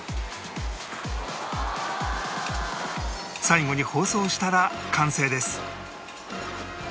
最後に包装したら完成です